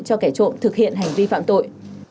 cho kẻ trộm thực hiện hành vi phạm tội